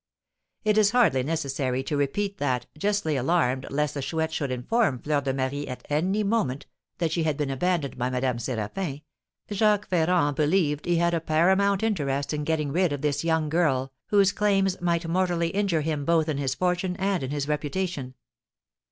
It is hardly necessary to repeat that, justly alarmed lest the Chouette should inform Fleur de Marie at any moment that she had been abandoned by Madame Séraphin, Jacques Ferrand believed he had a paramount interest in getting rid of this young girl, whose claims might mortally injure him both in his fortune and in his reputation.